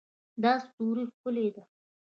دا ستوری ښکلی ده